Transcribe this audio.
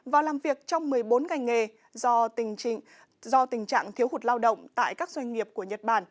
và làm việc trong một mươi bốn ngành nghề do tình trạng thiếu hụt lao động tại các doanh nghiệp của nhật bản